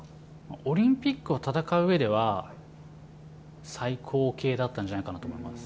オリンピックを戦ううえでは、最高形だったんじゃないかなと思います。